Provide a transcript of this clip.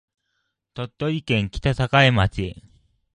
鳥取県北栄町